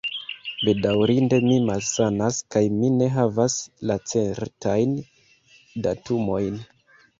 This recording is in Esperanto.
Bedaŭrinde mi malsanas, kaj mi ne havas la certajn datumojn.